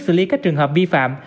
xử lý các trường hợp vi phạm